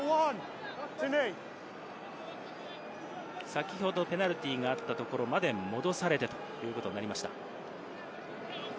先ほどペナルティーがあったところまで戻されてということになりました。